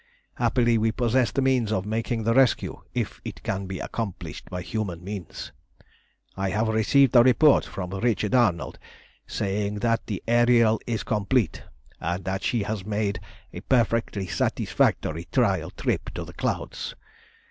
Happily we possess the means of making the rescue, if it can be accomplished by human means. I have received a report from Richard Arnold saying that the Ariel is complete, and that she has made a perfectly satisfactory trial trip to the clouds.